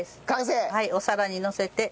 はいお皿にのせて。